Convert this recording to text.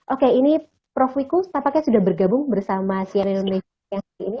oke ini prof wiku sepakatnya sudah bergabung bersama sianil nesli